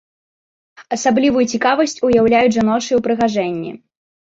Асаблівую цікавасць уяўляюць жаночыя ўпрыгажэнні.